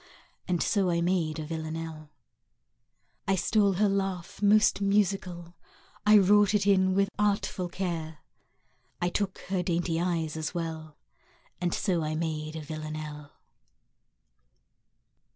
And so I made a Villanelle. I stole her laugh, most musical: I wrought it in with artful care; I took her dainty eyes as well; And so I made a Villanelle.